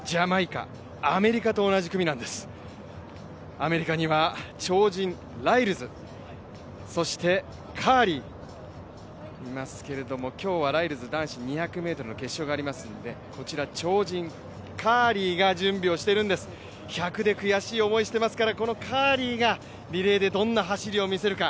アメリカには超人ライルズ、そしてカーリーがいますけれども、今日はライルズ、男子２００ｍ決勝がありますので、こちら超人カーリーが準備をしているんです、１００で悔しい思いをしているのでカーリーがリレーでどんな走りを見せるか。